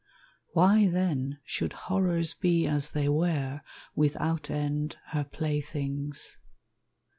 Why, then, should horrors Be as they were, without end, her playthings?